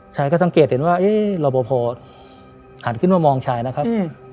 ชายก็สังเกตเห็นว่าเอ๊ะระบบพอหันขึ้นมามองชายนะครับอืม